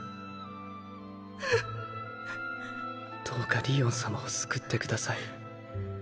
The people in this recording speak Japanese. どうかりおんさまを救ってください。